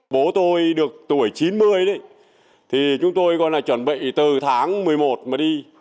bố tôi được tuổi chín mươi chúng tôi chuẩn bị từ tháng một mươi một mà đi